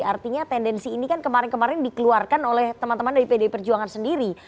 artinya tendensi ini kan kemarin kemarin dikeluarkan oleh teman teman dari pdi perjuangan sendiri